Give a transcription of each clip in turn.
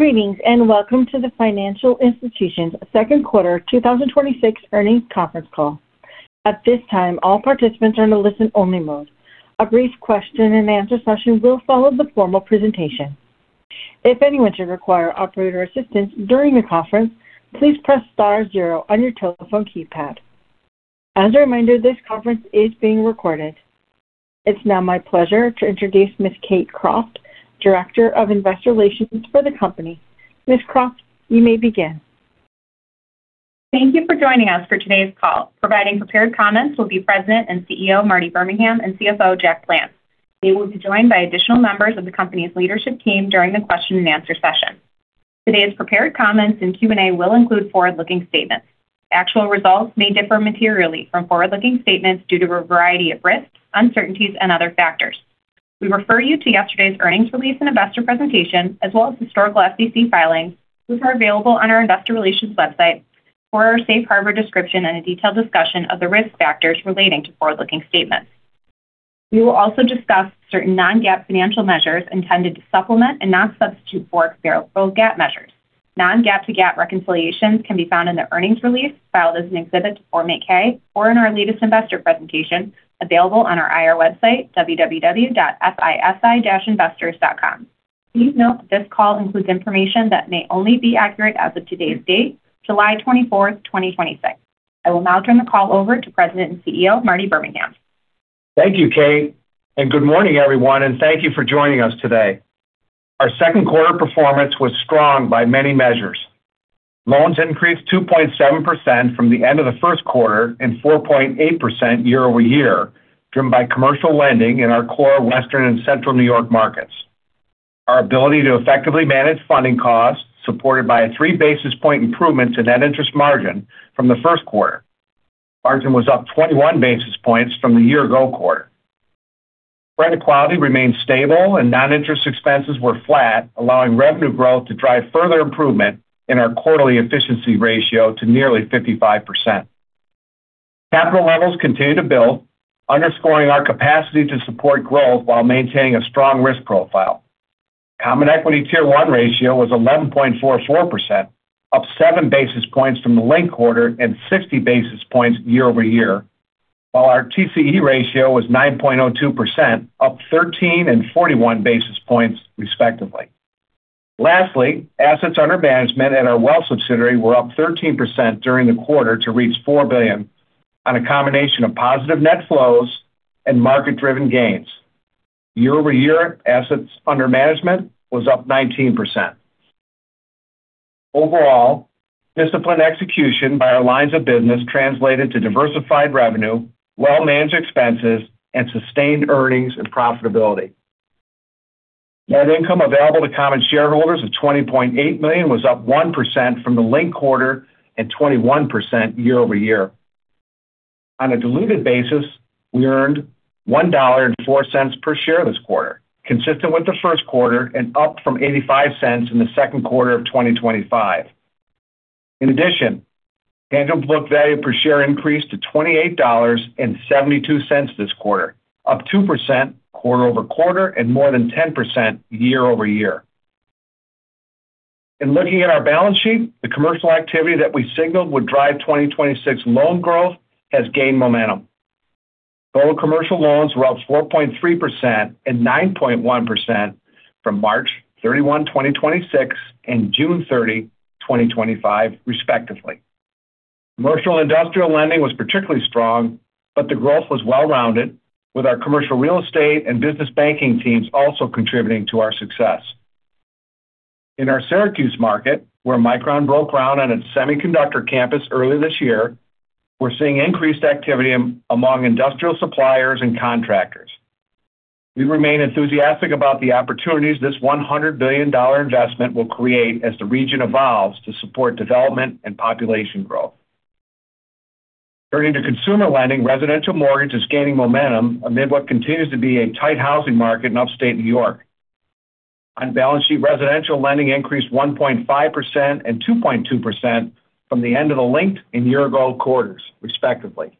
Greetings, welcome to the Financial Institutions' Second Quarter 2026 Earnings Conference Call. At this time, all participants are in a listen-only mode. A brief question and answer session will follow the formal presentation. If anyone should require operator assistance during the conference, please press star zero on your telephone keypad. As a reminder, this conference is being recorded. It's now my pleasure to introduce Ms. Kate Croft, Director of Investor Relations for the company. Ms. Croft, you may begin. Thank you for joining us for today's call. Providing prepared comments will be President and CEO Marty Birmingham and CFO Jack Plant. They will be joined by additional members of the company's leadership team during the question and answer session. Today's prepared comments and Q&A will include forward-looking statements. Actual results may differ materially from forward-looking statements due to a variety of risks, uncertainties and other factors. We refer you to yesterday's earnings release and investor presentation, as well as historical SEC filings, which are available on our investor relations website for our safe harbor description and a detailed discussion of the risk factors relating to forward-looking statements. We will also discuss certain non-GAAP financial measures intended to supplement and not substitute for experiential GAAP measures. Non-GAAP to GAAP reconciliations can be found in the earnings release filed as an exhibit to Form 8-K, or in our latest investor presentation available on our IR website, www.fisi-investors.com. Please note this call includes information that may only be accurate as of today's date, July 24th, 2026. I will now turn the call over to President and CEO, Marty Birmingham. Thank you, Kate, and good morning, everyone, and thank you for joining us today. Our second quarter performance was strong by many measures. Loans increased 2.7% from the end of the first quarter and 4.8% year-over-year, driven by commercial lending in our core western and central New York markets. Our ability to effectively manage funding costs, supported by a three basis point improvement to net interest margin from the first quarter. Margin was up 21 basis points from the year-ago quarter. Credit quality remained stable and non-interest expenses were flat, allowing revenue growth to drive further improvement in our quarterly efficiency ratio to nearly 55%. Capital levels continue to build, underscoring our capacity to support growth while maintaining a strong risk profile. Common Equity Tier 1 ratio was 11.44%, up seven basis points from the linked quarter and 60 basis points year-over-year. While our TCE ratio was 9.02%, up 13 and 41 basis points respectively. Lastly, assets under management at our wealth subsidiary were up 13% during the quarter to reach $4 billion on a combination of positive net flows and market-driven gains. Year-over-year, assets under management was up 19%. Overall, disciplined execution by our lines of business translated to diversified revenue, well-managed expenses, and sustained earnings and profitability. Net income available to common shareholders of $20.8 million was up 1% from the linked quarter and 21% year-over-year. On a diluted basis, we earned $1.04 per share this quarter, consistent with the first quarter and up from $0.85 in the second quarter of 2025. In addition, tangible book value per share increased to $28.72 this quarter, up 2% quarter-over-quarter and more than 10% year-over-year. In looking at our balance sheet, the commercial activity that we signaled would drive 2026 loan growth has gained momentum. Total commercial loans were up 4.3% and 9.1% from March 31, 2026, and June 30, 2025, respectively. Commercial and industrial lending was particularly strong, but the growth was well-rounded with our commercial real estate and business banking teams also contributing to our success. In our Syracuse market, where Micron broke ground on its semiconductor campus early this year, we're seeing increased activity among industrial suppliers and contractors. We remain enthusiastic about the opportunities this $100 billion investment will create as the region evolves to support development and population growth. Turning to consumer lending, residential mortgage is gaining momentum amid what continues to be a tight housing market in Upstate New York. On balance sheet, residential lending increased 1.5% and 2.2% from the end of the linked and year ago quarters, respectively.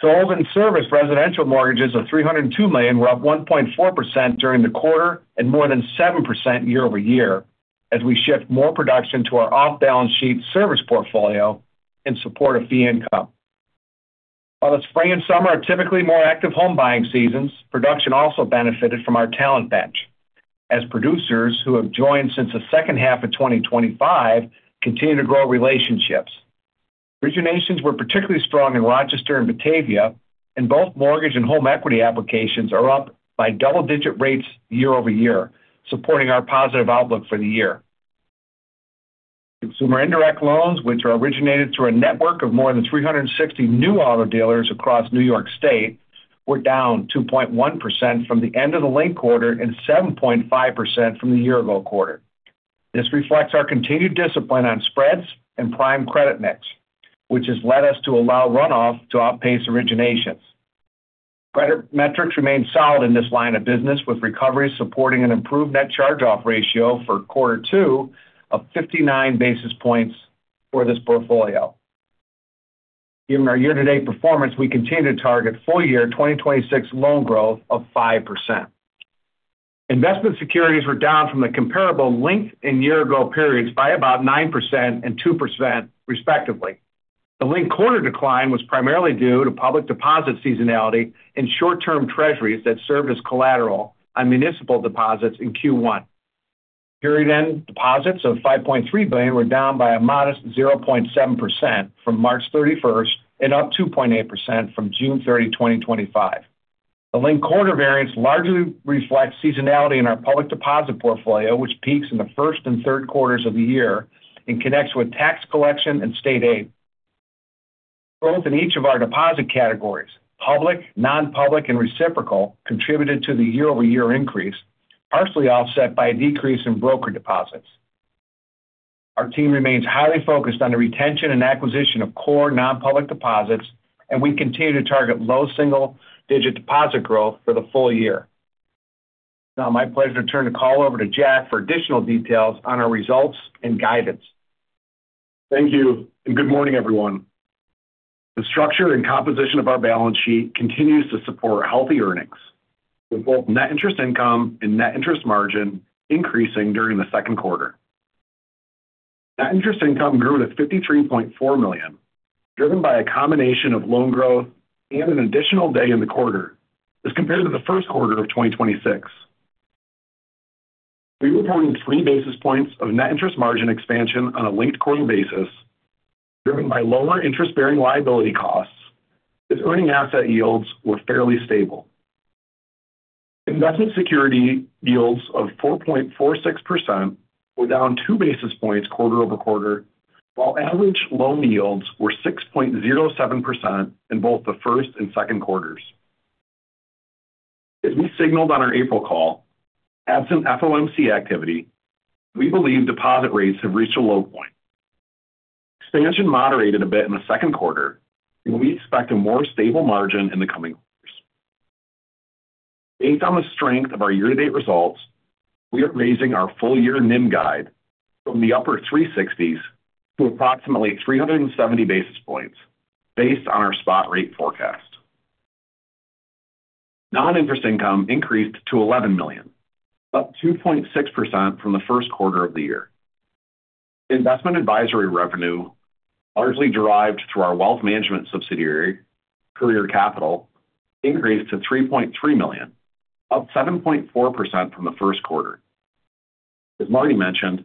Sold and serviced residential mortgages of $302 million were up 1.4% during the quarter and more than 7% year-over-year, as we shift more production to our off-balance sheet service portfolio in support of fee income. While the spring and summer are typically more active home buying seasons, production also benefited from our talent bench. As producers who have joined since the second half of 2025 continue to grow relationships. Originations were particularly strong in Rochester and Batavia, and both mortgage and home equity applications are up by double-digit rates year-over-year, supporting our positive outlook for the year. Consumer indirect loans, which are originated through a network of more than 360 new auto dealers across New York State, were down 2.1% from the end of the linked quarter and 7.5% from the year ago quarter. This reflects our continued discipline on spreads and prime credit mix, which has led us to allow runoff to outpace originations. Credit metrics remain solid in this line of business, with recoveries supporting an improved net charge-off ratio for quarter two of 59 basis points for this portfolio. Given our year-to-date performance, we continue to target full year 2026 loan growth of 5%. Investment securities were down from the comparable linked and year ago periods by about 9% and 2%, respectively. The linked quarter decline was primarily due to public deposit seasonality and short-term treasuries that served as collateral on municipal deposits in Q1. Period-end deposits of $5.3 billion were down by a modest 0.7% from March 31st and up 2.8% from June 30, 2025. The linked-quarter variance largely reflects seasonality in our public deposit portfolio, which peaks in the first and third quarters of the year and connects with tax collection and state aid. Both in each of our deposit categories, public, non-public, and reciprocal contributed to the year-over-year increase, partially offset by a decrease in broker deposits. Our team remains highly focused on the retention and acquisition of core non-public deposits. We continue to target low single-digit deposit growth for the full year. Now my pleasure to turn the call over to Jack for additional details on our results and guidance. Thank you. Good morning, everyone. The structure and composition of our balance sheet continues to support healthy earnings, with both net interest income and net interest margin increasing during the second quarter. Net interest income grew to $53.4 million, driven by a combination of loan growth and an additional day in the quarter as compared to the first quarter of 2026. We reported three basis points of net interest margin expansion on a linked-quarter basis, driven by lower interest-bearing liability costs as earning asset yields were fairly stable. Investment security yields of 4.46% were down two basis points quarter-over-quarter, while average loan yields were 6.07% in both the first and second quarters. As we signaled on our April call, absent FOMC activity, we believe deposit rates have reached a low point. Expansion moderated a bit in the second quarter. We expect a more stable margin in the coming years. Based on the strength of our year-to-date results, we are raising our full-year NIM guide from the upper 360s to approximately 370 basis points based on our spot rate forecast. Non-interest income increased to $11 million, up 2.6% from the first quarter of the year. Investment advisory revenue, largely derived through our wealth management subsidiary, Courier Capital, increased to $3.3 million, up 7.4% from the first quarter. As Marty mentioned,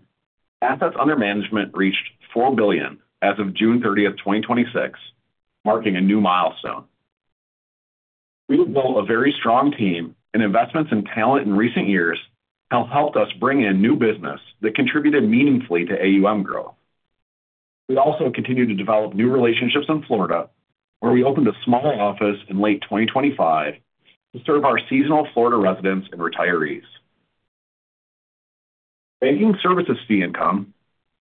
assets under management reached $4 billion as of June 30th, 2026, marking a new milestone. We have built a very strong team. Investments in talent in recent years have helped us bring in new business that contributed meaningfully to AUM growth. We also continue to develop new relationships in Florida, where we opened a smaller office in late 2025 to serve our seasonal Florida residents and retirees. Banking services fee income,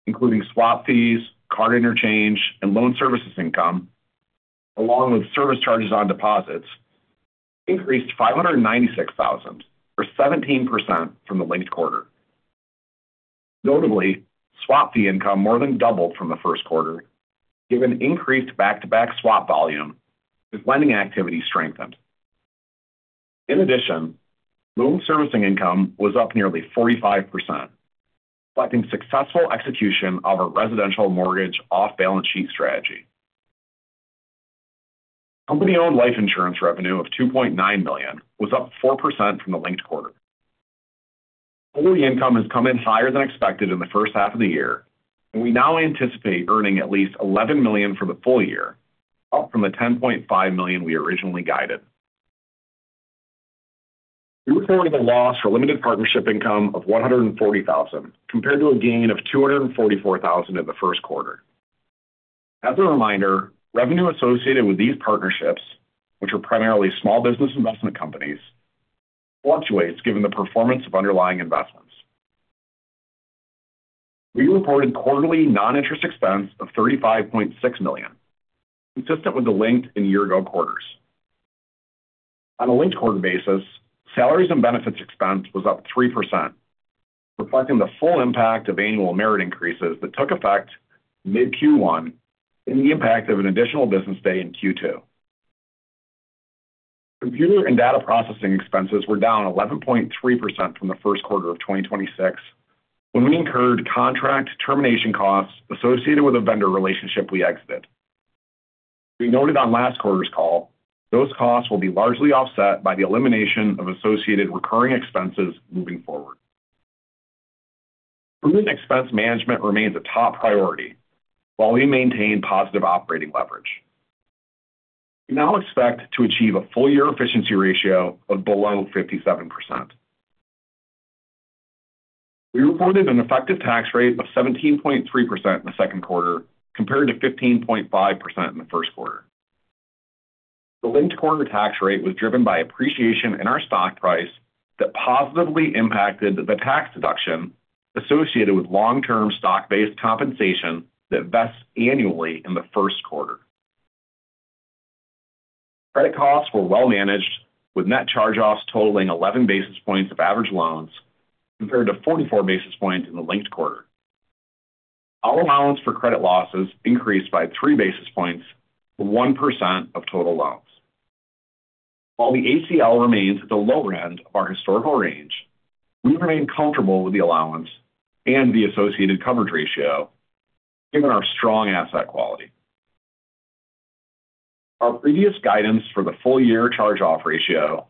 including swap fees, card interchange, and loan services income, along with service charges on deposits, increased $596,000, or 17% from the linked-quarter. Notably, swap fee income more than doubled from the first quarter given increased back-to-back swap volume as lending activity strengthened. In addition, loan servicing income was up nearly 45%, reflecting successful execution of our residential mortgage off-balance sheet strategy. Company-owned life insurance revenue of $2.9 million was up 4% from the linked-quarter. Total income has come in higher than expected in the first half of the year. We now anticipate earning at least $11 million for the full year, up from the $10.5 million we originally guided. We reported a loss for limited partnership income of $140,000 compared to a gain of $244,000 in the first quarter. As a reminder, revenue associated with these partnerships, which are primarily small business investment companies, fluctuates given the performance of underlying investments. We reported quarterly non-interest expense of $35.6 million, consistent with the linked and year ago quarters. On a linked quarter basis, salaries and benefits expense was up 3%, reflecting the full impact of annual merit increases that took effect mid Q1 and the impact of an additional business day in Q2. Computer and data processing expenses were down 11.3% from the first quarter of 2026 when we incurred contract termination costs associated with a vendor relationship we exited. We noted on last quarter's call, those costs will be largely offset by the elimination of associated recurring expenses moving forward. Prudent expense management remains a top priority while we maintain positive operating leverage. We now expect to achieve a full-year efficiency ratio of below 57%. We reported an effective tax rate of 17.3% in the second quarter compared to 15.5% in the first quarter. The linked quarter tax rate was driven by appreciation in our stock price that positively impacted the tax deduction associated with long-term stock-based compensation that vests annually in the first quarter. Credit costs were well managed with net charge-offs totaling 11 basis points of average loans, compared to 44 basis points in the linked quarter. Our allowance for credit losses increased by 3 basis points to 1% of total loans. While the ACL remains at the low end of our historical range, we remain comfortable with the allowance and the associated coverage ratio given our strong asset quality. Our previous guidance for the full-year charge-off ratio,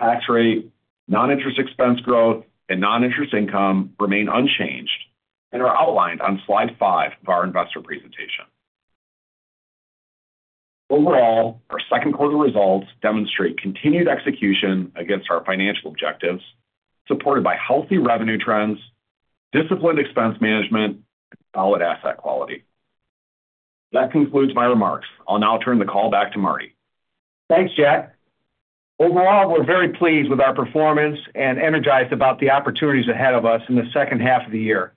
tax rate, non-interest expense growth, and non-interest income remain unchanged and are outlined on slide five of our investor presentation. Overall, our second quarter results demonstrate continued execution against our financial objectives, supported by healthy revenue trends, disciplined expense management, and solid asset quality. That concludes my remarks. I'll now turn the call back to Marty. Thanks, Jack. Overall, we're very pleased with our performance and energized about the opportunities ahead of us in the second half of the year.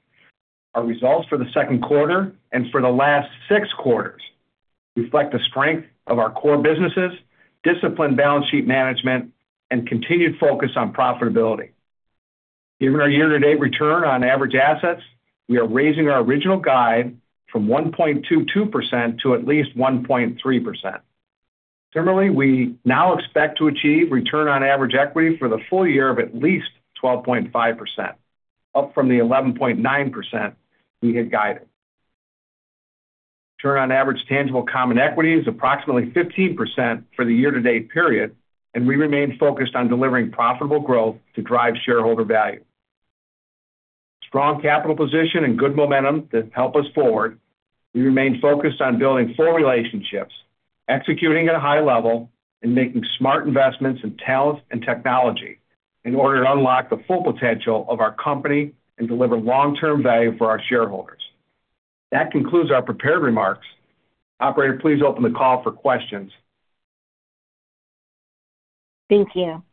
Our results for the second quarter and for the last six quarters reflect the strength of our core businesses, disciplined balance sheet management, and continued focus on profitability. Given our year-to-date return on average assets, we are raising our original guide from 1.22% to at least 1.3%. Similarly, we now expect to achieve return on average equity for the full year of at least 12.5%, up from the 11.9% we had guided. Return on average tangible common equity is approximately 15% for the year-to-date period, and we remain focused on delivering profitable growth to drive shareholder value. Strong capital position and good momentum to help us forward. We remain focused on building full relationships, executing at a high level, and making smart investments in talent and technology in order to unlock the full potential of our company and deliver long-term value for our shareholders. That concludes our prepared remarks. Operator, please open the call for questions. Thank you.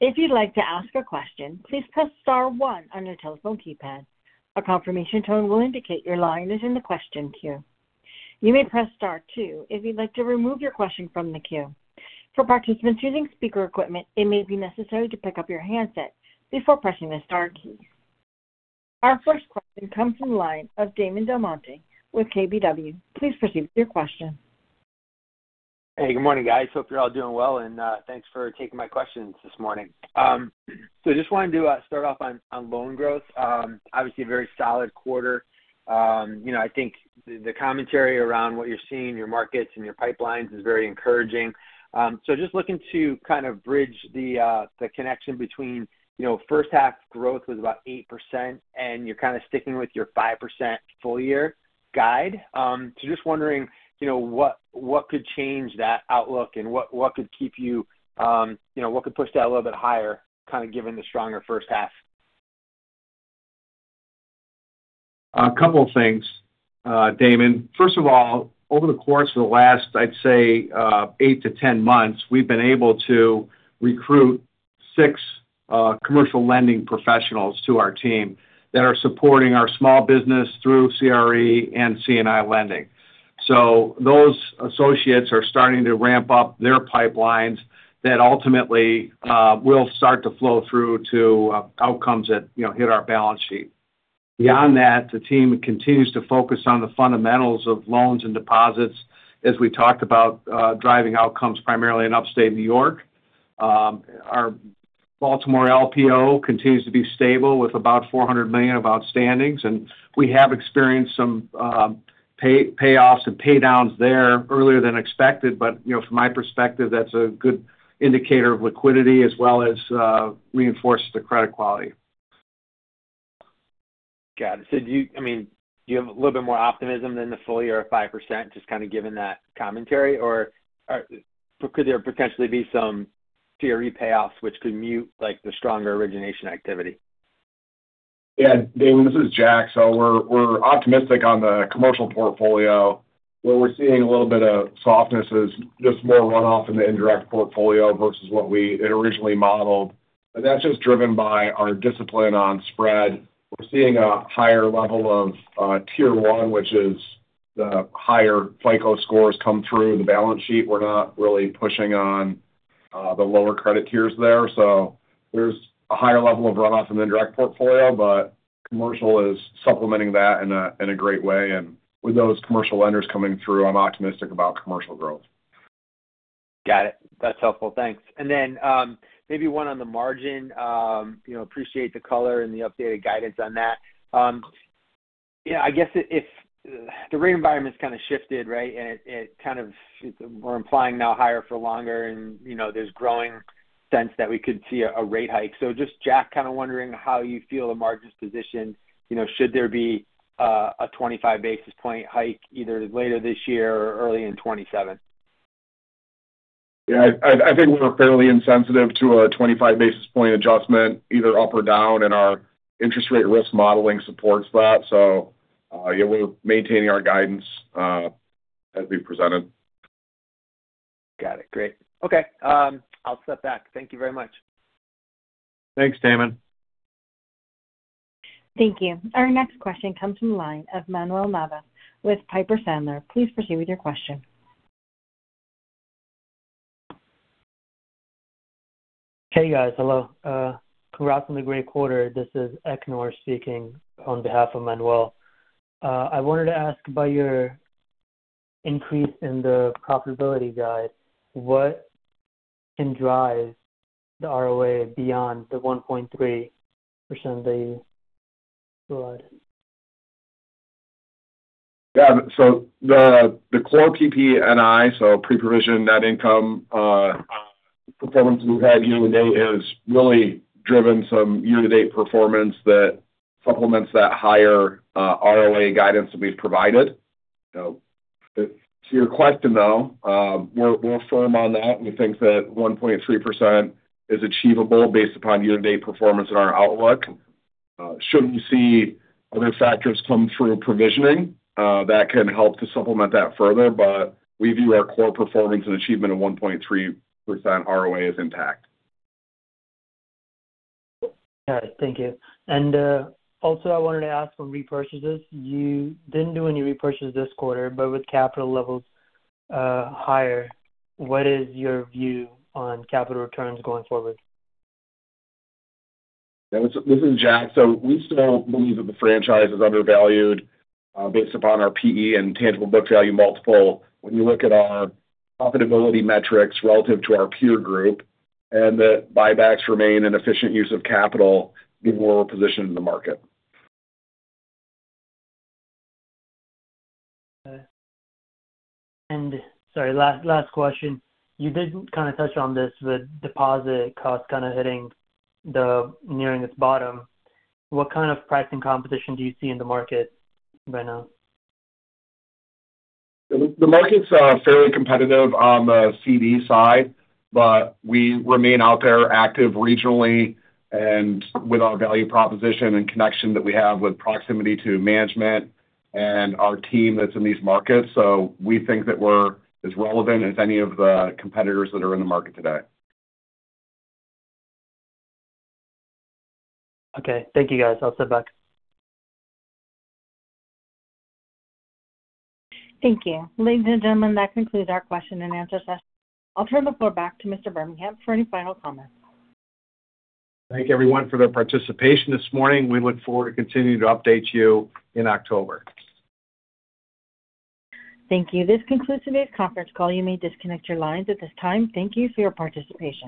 If you'd like to ask a question, please press star one on your telephone keypad. A confirmation tone will indicate your line is in the question queue. You may press star two if you'd like to remove your question from the queue. For participants using speaker equipment, it may be necessary to pick up your handset before pressing the star key. Our first question comes from the line of Damon DelMonte with KBW. Please proceed with your question. Hey, good morning, guys. Hope you're all doing well, and thanks for taking my questions this morning. Just wanted to start off on loan growth. Obviously a very solid quarter. I think the commentary around what you're seeing in your markets and your pipelines is very encouraging. Just looking to kind of bridge the connection between first half growth was about 8%, and you're kind of sticking with your 5% full year guide. Just wondering what could change that outlook and what could push that a little bit higher, kind of given the stronger first half? A couple of things, Damon. First of all, over the course of the last, I'd say, eight to 10 months, we've been able to recruit six commercial lending professionals to our team that are supporting our small business through CRE and C&I lending. Those associates are starting to ramp up their pipelines that ultimately will start to flow through to outcomes that hit our balance sheet. Beyond that, the team continues to focus on the fundamentals of loans and deposits, as we talked about driving outcomes primarily in Upstate New York. Our Baltimore LPO continues to be stable with about $400 million of outstandings, and we have experienced some payoffs and pay downs there earlier than expected. From my perspective, that's a good indicator of liquidity as well as reinforces the credit quality. Got it. Do you have a little bit more optimism than the full year at 5%, just kind of given that commentary? Or could there potentially be some CRE payoffs which could mute the stronger origination activity? Yeah, Damon, this is Jack. We're optimistic on the commercial portfolio. Where we're seeing a little bit of softness is just more runoff in the indirect portfolio versus what we had originally modeled. That's just driven by our discipline on spread. We're seeing a higher level of Tier 1, which is the higher FICO scores come through the balance sheet. We're not really pushing on the lower credit tiers there. There's a higher level of runoff in the direct portfolio, but commercial is supplementing that in a great way. With those commercial lenders coming through, I'm optimistic about commercial growth. Got it. That's helpful. Thanks. Then maybe one on the margin. Appreciate the color and the updated guidance on that. I guess if the rate environment's kind of shifted, right? We're implying now higher for longer, and there's growing sense that we could see a rate hike. Just, Jack, kind of wondering how you feel the margin's positioned should there be a 25-basis-point hike either later this year or early in 2027? Yeah. I think we're fairly insensitive to a 25-basis-point adjustment, either up or down, and our interest rate risk modeling supports that. We're maintaining our guidance as we presented. Got it. Great. Okay. I'll step back. Thank you very much. Thanks, Damon. Thank you. Our next question comes from the line of Manuel Navas with Piper Sandler. Please proceed with your question. Hey, guys. Hello. Congrats on the great quarter. This is Eknor speaking on behalf of Manuel. I wanted to ask about your increase in the profitability guide. What can drive the ROA beyond the 1.3% that you provided? Yeah. The core PPNR, so pre-provision net income, performance we've had year-to-date has really driven some year-to-date performance that supplements that higher ROA guidance that we've provided. To your question, though, we're firm on that. We think that 1.3% is achievable based upon year-to-date performance in our outlook. Should we see other factors come through provisioning, that can help to supplement that further. We view our core performance and achievement of 1.3% ROA as intact. All right, thank you. Also, I wanted to ask on repurchases. You didn't do any repurchase this quarter, with capital levels higher, what is your view on capital returns going forward? This is Jack. We still believe that the franchise is undervalued based upon our PE and tangible book value multiple when you look at our profitability metrics relative to our peer group, that buybacks remain an efficient use of capital given where we're positioned in the market. Okay. Sorry, last question. You did kind of touch on this with deposit costs kind of nearing its bottom. What kind of pricing competition do you see in the market right now? The market's fairly competitive on the CD side, but we remain out there active regionally and with our value proposition and connection that we have with proximity to management and our team that's in these markets. We think that we're as relevant as any of the competitors that are in the market today. Okay. Thank you, guys. I'll step back. Thank you. Ladies and gentlemen, that concludes our question-and-answer session. I'll turn the floor back to Mr. Birmingham for any final comments. Thank you, everyone, for their participation this morning. We look forward to continuing to update you in October. Thank you. This concludes today's conference call. You may disconnect your lines at this time. Thank you for your participation.